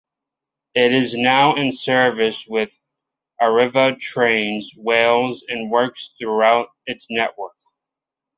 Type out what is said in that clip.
It is now in service with Arriva Trains Wales and works throughout its network.